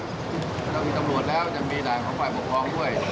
เรามีตำรวจแล้วจะมีด่านของฝ่ายปกครองด้วย